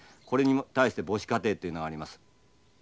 これに対して母子家庭っていうのがあります。